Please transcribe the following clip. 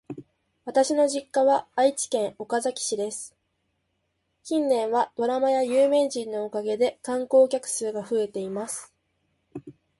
私の実家は愛知県岡崎市です。近年はドラマや有名人のおかげで観光客数が増えています。